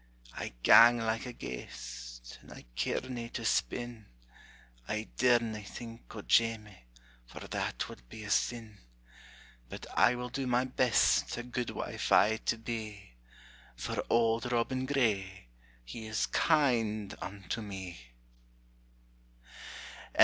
I gang like a ghaist, and I carena to spin; I darena think o' Jamie, for that wad be a sin. But I will do my best a gude wife aye to be, For Auld Robin Gray, he is kind unto me. LADY ANNE BARNARD.